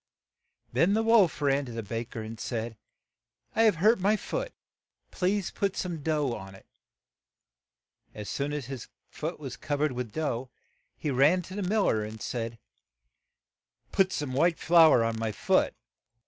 Then the wolf ran to a ba ker, and said, "I have hurt my foot ; please put some dough on it. '' As soon as his foot was cov ered with dough, he ran to the mil ler and said, "Put some white flour on my foot."